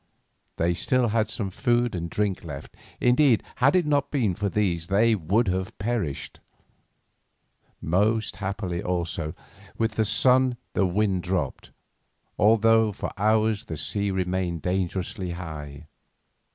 They had still some food and drink left; indeed, had it not been for these they would have perished. Most happily, also, with the sun the wind dropped, although for hours the sea remained dangerously high.